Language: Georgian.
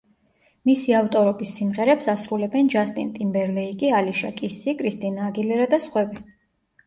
მისი ავტორობის სიმღერებს ასრულებენ ჯასტინ ტიმბერლეიკი, ალიშა კისი, კრისტინა აგილერა და სხვები.